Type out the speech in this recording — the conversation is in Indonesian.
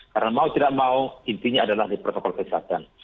karena mau tidak mau intinya adalah di protokol kesehatan